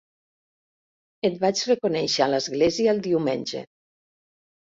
Et vaig reconèixer a l'església el diumenge.